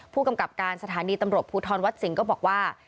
ผู้กำกับการสถานีตำรวจภูทรวัดสิงห์ก็บอกว่า